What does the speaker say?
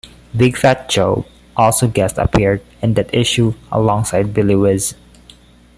Big Fat Joe also guest appeared in that issue, alongside Billy Whizz.